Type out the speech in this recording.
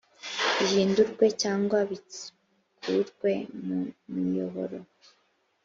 bihindurwe cyangwa bikurwe ku miyoboro